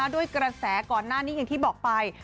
ด้วยกระแสก่อนหน้านี้อย่างที่บอกไป